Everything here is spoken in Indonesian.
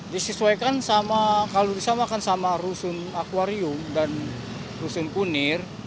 disesuaikan sama kalau disamakan sama rusun akwarium dan rusun kunir